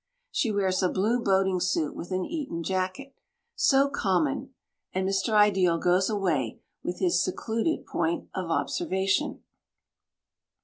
She wears a blue boating suit with an Eton jacket. "So common!" and Mr. Ideal goes away from his secluded point of observation.